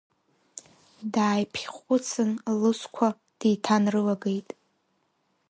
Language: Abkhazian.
Дааиԥхьхәыцын, лусқәа деиҭанрылагеит.